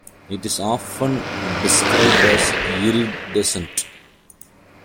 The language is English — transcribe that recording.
It is often described as iridescent.